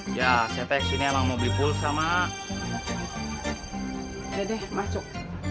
ya saya teksinnya emang mau beli pulsa mak